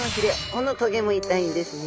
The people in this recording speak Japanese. このトゲも痛いんですね！